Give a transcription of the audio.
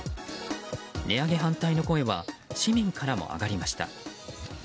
値上げ反対の声は市民からも上がりました。